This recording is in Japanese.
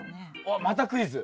わっまたクイズ。